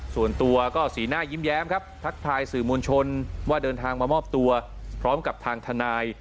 ส่วนตัวก็สีหน้ายิ้มแย้มครับทักทายสื่อมวลชนว่าเดินทางมามอบตัวพร้อมกับทางทนาย